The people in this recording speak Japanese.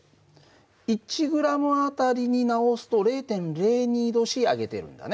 １ｇあたりに直すと０．０２℃上げてるんだね。